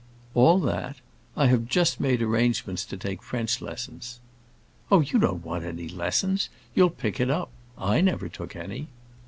"All that? I have just made arrangements to take French lessons." "Oh, you don't want any lessons. You'll pick it up. I never took any."